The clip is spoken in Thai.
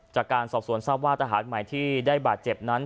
จากการสอบสวนทราบว่าทหารใหม่ที่ได้บาดเจ็บนั้น